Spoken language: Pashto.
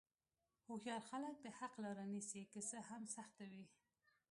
هوښیار خلک د حق لاره نیسي، که څه هم سخته وي.